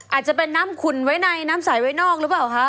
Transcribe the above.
อาจจะเป็นน้ำขุนไว้ในน้ำใสไว้นอกหรือเปล่าคะ